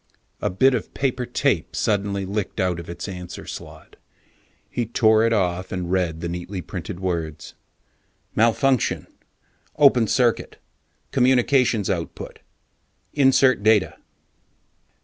A bit of paper tape suddenly licked out of its answer slot. He tore it off and read the neatly printed words: MALFUNCTION, OPEN CIRCUIT, COMMUNICATIONS OUTPUT; INSERT DATA.